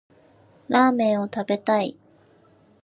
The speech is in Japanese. ラーメンを食べたい。